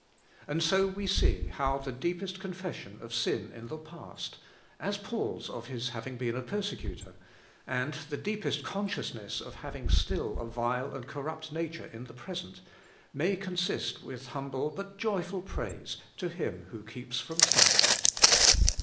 And so we see how the deepest confession of sin in the past (as Paul's of his having been a persecutor), and the deepest consciousness of having still a vile and corrupt nature in the present, may consist with humble but joyful praise to Him who keeps from stumbling.